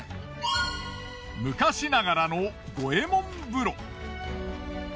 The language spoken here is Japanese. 昔ながらの五右衛門風呂。